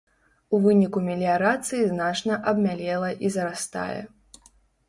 У выніку меліярацыі значна абмялела і зарастае.